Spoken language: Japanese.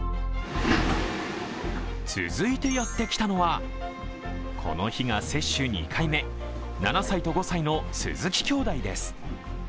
続いてやってきたのは、この日が接種２回目、７歳と５歳の鈴木兄妹です。